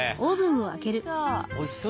あおいしそう。